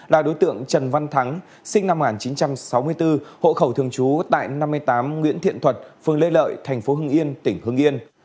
sinh năm một nghìn chín trăm sáu mươi bốn hộ khẩu thường trú tại năm mươi tám nguyễn thiện thuật phường lê lợi thành phố hưng yên tỉnh hưng yên